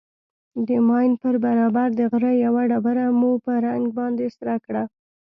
د ماين پر برابر د غره يوه ډبره مو په رنگ باندې سره کړه.